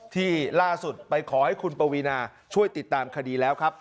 ที่ล่าสุดไปขอให้คุณปวีนาช่วยติดตามคดีแล้วครับ